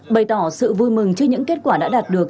bày tỏ sự vui mừng trước những kết quả đã đạt được